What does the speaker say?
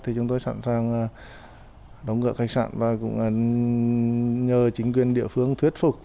thì chúng tôi sẵn sàng đóng cửa khách sạn và cũng nhờ chính quyền địa phương thuyết phục